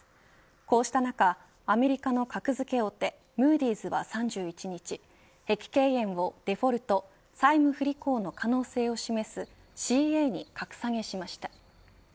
こうした中アメリカの格付け大手ムーディーズは３１日碧桂園をデフォルト債務不履行の可能性を示すＣａに格下げしました。